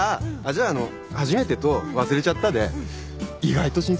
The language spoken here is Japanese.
じゃああのう初めてと忘れちゃったで意外と新鮮かもね。